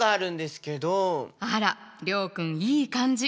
あら諒君いい感じ。